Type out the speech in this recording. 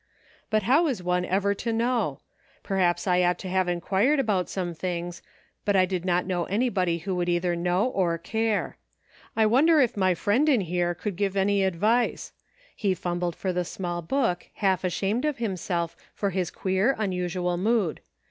" But how is one ever to know .' Perhaps I ought to have inquired HAPPENINGS. 187 about some things, but I did not know anybody who would either know or care. I wonder if my friend in here could give any advice ? He fum bled for the small book, half ashamed of him self for his queer, unusual mood.